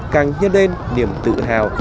càng nhớ lên niềm tự hào